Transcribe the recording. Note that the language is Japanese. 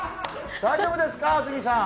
大丈夫ですか、安住さん？